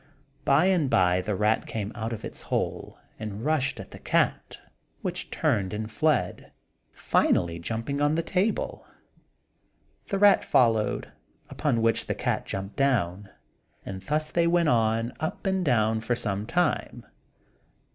By and by the rat came out of its hole and rushed at the cat, which turned and fled, finally jumping up on the table. The rat followed, upon which the cat jumped down; and thus they went on up and down for some time.